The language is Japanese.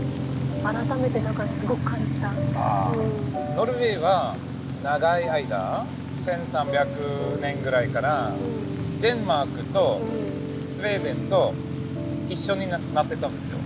ノルウェーは長い間１，３００年くらいからデンマークとスウェーデンと一緒になってたんですよ。